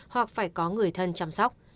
hoặc phải có người thân chăm sóc